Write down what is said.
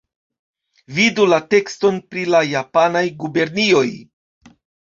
Vidu la tekston pri la japanaj gubernioj.